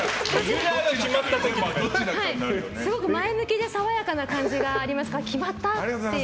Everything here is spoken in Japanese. すごく前向きで爽やかな感じがあるので決まった！という。